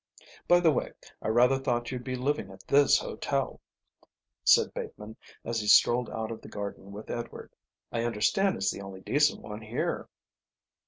"By the way, I rather thought you'd be living at this hotel," said Bateman, as he strolled out of the garden with Edward. "I understand it's the only decent one here."